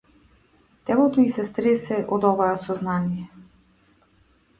Телото ѝ се стресе од оваа сознание.